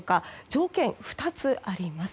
条件、２つあります。